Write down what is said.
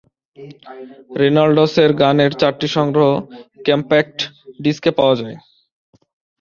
রেনল্ডসের গানের চারটি সংগ্রহ কম্প্যাক্ট ডিস্কে পাওয়া যায়।